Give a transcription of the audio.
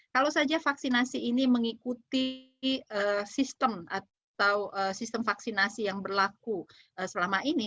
kalau saja vaksinasi ini mengikuti sistem atau sistem vaksinasi yang berlaku selama ini